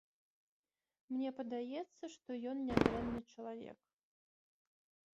Мне падаецца, што ён нядрэнны чалавек.